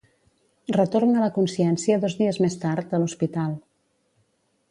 Retorn a la consciència dos dies més tard, a l'hospital.